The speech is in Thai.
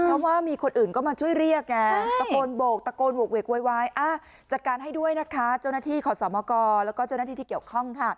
เพราะว่ามีคนอื่นก็มาช่วยเรียก